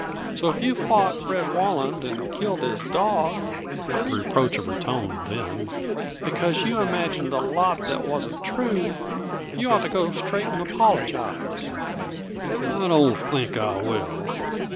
So if you fought Fred Walland and killed his dog" (the reproach of her tone, then!) "because you imagined a lot that wasn't true, you ought to go straight and apologize." "I don't think I will!